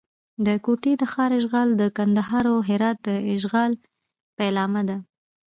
د کوټې د ښار اشغال د کندهار او هرات د اشغال پیلامه ده.